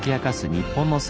「日本の姿」